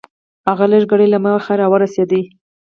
هغه لږ ګړی له مخه راورسېد .